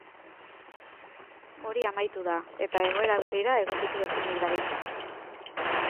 Hori amaitu da, eta egoera berrira egokitu ezinik dabiltza.